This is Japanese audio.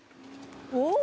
おっ！